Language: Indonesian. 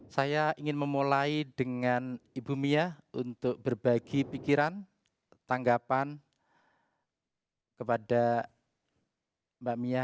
saya ingin memulai dengan ibu mia untuk berbagi pikiran tanggapan kepada mbak mia